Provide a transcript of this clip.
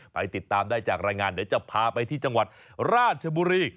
ไปติดตามได้จากรายงานเดี๋ยวจะพาไปที่จังหวัดราชบุรี